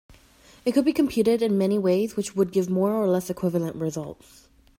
It could be computed in many ways which would give more or less equivalent results.